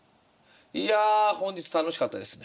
いや本日楽しかったですね。